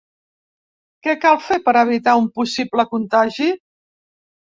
Què cal fer per evitar un possible contagi?